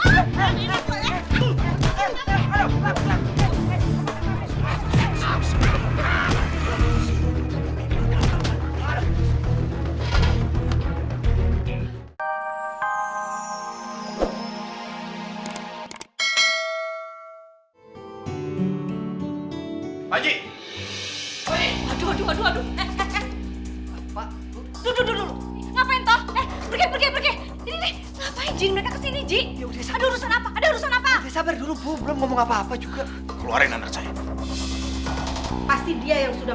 sampai jumpa di video selanjutnya